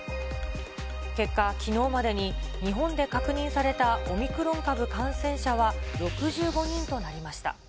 結果、きのうまでに日本で確認されたオミクロン株感染者は６５人となりました。